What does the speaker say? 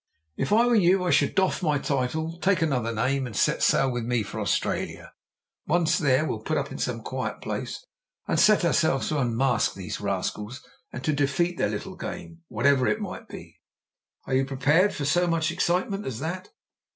"If I were you I should doff my title, take another name, and set sail with me for Australia. Once there, we'll put up in some quiet place and set ourselves to unmask these rascals and to defeat their little game, whatever it may be. Are you prepared for so much excitement as that?"